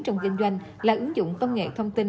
trong kinh doanh là ứng dụng công nghệ thông tin